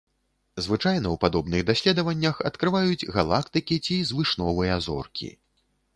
Звычайна ў падобных даследаваннях адкрываюць галактыкі ці звышновыя зоркі.